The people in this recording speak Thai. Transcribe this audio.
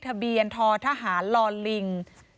ทะเบียนททหารลอลิง